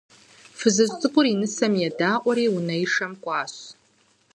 Фызыжь цӀыкӀур и нысэм едаӀуэри унэишэм кӀуащ.